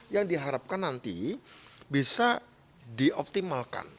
yang diharapkan nanti bisa dioptimalkan